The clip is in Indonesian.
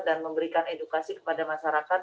dan memberikan edukasi kepada masyarakat